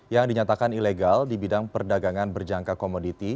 yang dinyatakan ilegal di bidang perdagangan berjangka komoditi